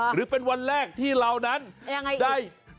หรือเป็นวันแรกที่เรานั้นได้